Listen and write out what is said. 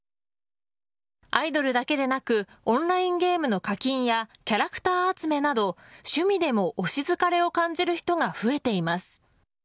アイドルだけでなくオンラインゲームの課金やキャラクター集めなど趣味でも推し疲れを感じる人が増えています。